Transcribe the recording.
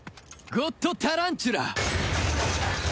「ゴッドタランチュラ！」